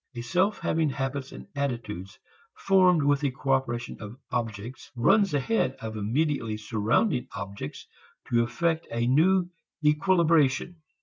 A self having habits and attitudes formed with the cooperation of objects runs ahead of immediately surrounding objects to effect a new equilibration.